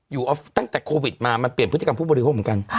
ออฟตั้งแต่โควิดมามันเปลี่ยนพฤติกรรมผู้บริโภคเหมือนกัน